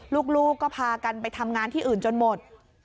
ลูกก็พากันไปทำงานที่อื่นจนหมด